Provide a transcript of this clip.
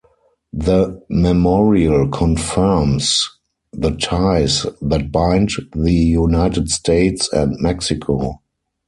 The memorial confirms the ties that bind the United States and Mexico.